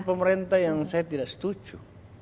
itu pemahaman yang saya tidak setuju